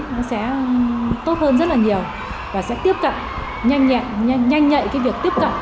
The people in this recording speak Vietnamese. nó sẽ tốt hơn rất là nhiều và sẽ tiếp cận nhanh nhạy cái việc tiếp cận